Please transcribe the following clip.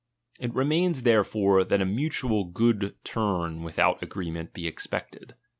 It remains therefore, that a mutual good turn with out agreement be expected.